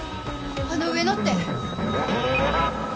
あの上のって。